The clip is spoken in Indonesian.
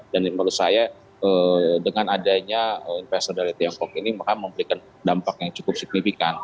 dan menurut saya dengan adanya investor dari tiongkok ini memang memberikan dampak yang cukup signifikan